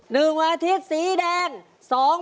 ๑วันอาทิตย์สีแดง